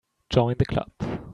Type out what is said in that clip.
Join the Club.